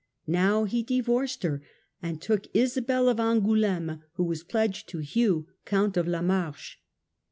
Now he divorced her, and took Isabel of Angoul^me, who was pledged to Hugh, Count of La Marche.